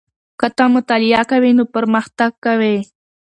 که ته مطالعه کوې نو پرمختګ کوې.